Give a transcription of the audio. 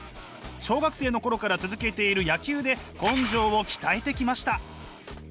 小学生の頃から続けている野球で根性を鍛えてきました。